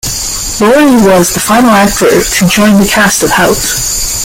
Laurie was the final actor to join the cast of "House".